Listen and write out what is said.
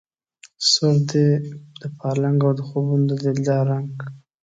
سور دی د پالنګ او د خوبونو د دلدار رنګ